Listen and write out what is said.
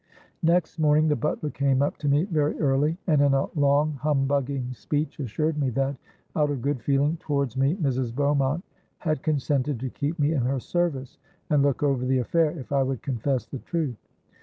Next morning the butler came up to me very early, and in a long, humbugging speech, assured me that, out of good feeling towards me, Mrs. Beaumont had consented to keep me in her service, and look over the affair, if I would confess the truth.